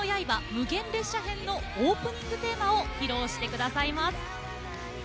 無限列車編」のオープニングテーマを披露してくださいます。